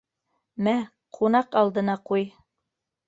— Мә, ҡунаҡ алдына ҡуй.